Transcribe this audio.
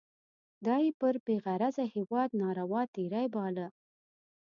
دا یې پر بې غرضه هیواد ناروا تېری باله.